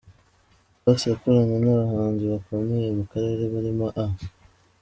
A Pass yakoranye n’abahanzi bakomeye mu karere barimo A.